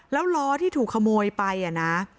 แล้วล้อที่ถูกขโมยไปนะ